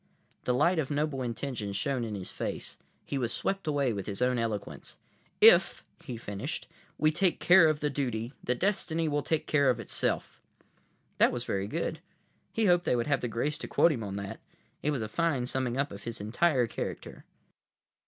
The light of noble intention shone in his face. He was swept away with his own eloquence. "If," he finished, "we take care of the duty, the destiny will take care of itself!" That was very good. He hoped they would have the grace to quote him on that. It was a fine summing up of his entire character.